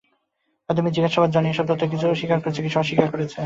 প্রাথমিক জিজ্ঞাসাবাদে জনি এসব তথ্যের কিছু স্বীকার করেছেন, কিছু অস্বীকার করেছেন।